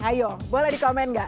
ayo boleh di komen gak